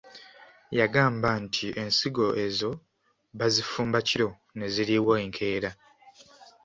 Yagamba nti ensigo ezo bazifumba kiro ne ziriibwa enkeera.